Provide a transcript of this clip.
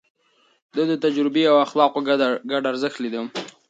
ده د تجربې او اخلاقو ګډ ارزښت ليده.